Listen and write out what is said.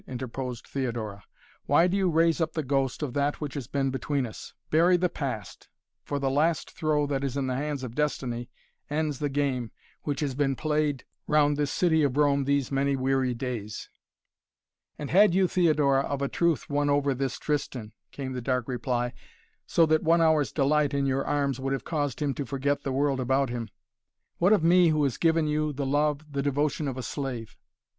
interposed Theodora. "Why do you raise up the ghost of that which has been between us? Bury the past, for the last throw that is in the hands of destiny ends the game which has been played round this city of Rome these many weary days." "And had you, Theodora, of a truth won over this Tristan," came the dark reply, "so that one hour's delight in your arms would have caused him to forget the world about him what of me who has given to you the love, the devotion of a slave?"